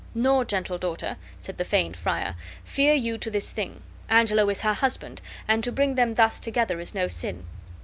"Nor, gentle daughter," said the feigned friar, "fear you to this thing. Angelo is her husband, and to bring them thus together is no sin.